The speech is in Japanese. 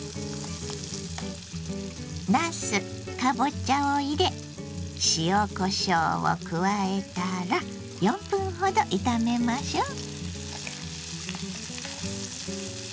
なすかぼちゃを入れ塩こしょうを加えたら４分ほど炒めましょう。